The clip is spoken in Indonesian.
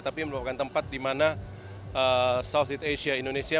tapi merupakan tempat di mana southeast asia indonesia